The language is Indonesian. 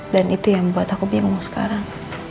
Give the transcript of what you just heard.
dan itu yang buat aku bingung sekarang